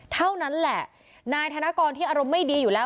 เท่านั้นแหละนายธนกรที่อารมณ์ไม่ดีอยู่แล้ว